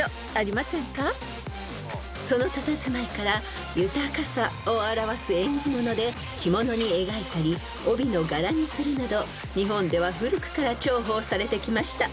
［そのたたずまいから豊かさを表す縁起物で着物に描いたり帯の柄にするなど日本では古くから重宝されてきました］